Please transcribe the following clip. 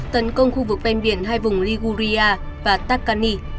tấn công khu vực ven biển hai vùng liguria và tacani